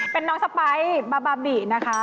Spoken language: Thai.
เป็นน้องสไปบาบานะคะ